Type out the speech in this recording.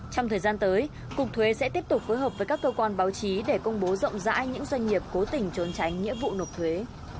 trong thời gian tới cục thuế sẽ tiếp tục phối hợp với các cơ quan báo chí để công bố rộng rãi những doanh nghiệp cố tình trốn tránh nghĩa vụ nộp thuế